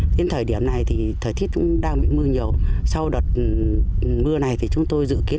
đến thời điểm này thì thời tiết cũng đang bị mưa nhiều sau đợt mưa này thì chúng tôi dự kiến